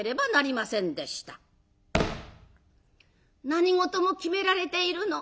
「何事も決められているの。